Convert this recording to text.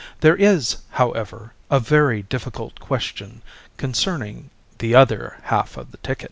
There is, however, a very difficult question concerning the other half of the ticket